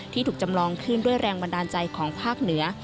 ถูกจำลองขึ้นด้วยแรงบันดาลใจของภาคเหนือ